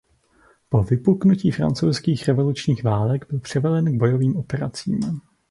Po vypuknutí francouzských revolučních válek byl převelen k bojovým operacím.